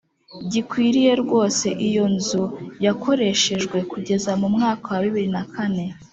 gikwiriye rwose iyo nzu yakoreshejwe kugeza mu mwaka wa bibiri na kane